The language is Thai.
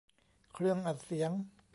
เครื่องอัดเสียง